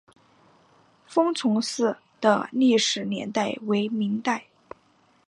封崇寺的历史年代为明代。